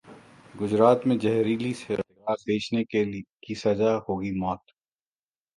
गुजरात में जहरीली शराब बेचने की सजा होगी मौत